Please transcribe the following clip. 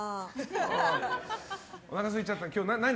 おなかすいちゃった。